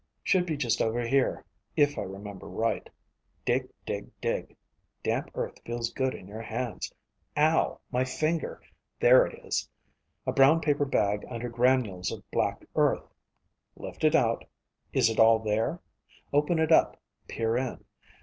_ _Should be just over here, if I remember right. Dig, dig, dig. Damp earth feels good in your hands. Ow! my finger. There it is. A brown paper bag under granules of black earth. Lift it out. Is it all there? Open it up, peer in.